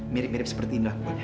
mirip mirip seperti ini aku